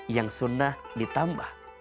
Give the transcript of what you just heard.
yang sunnah ditambah